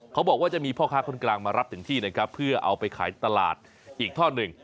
เขาบอกว่าจะมีพ่อค้าคนกลางมารับถึงที่นะครับเพื่อเอาไปขายตลาดอีกท่อหนึ่ง